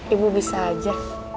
ibu bisa aja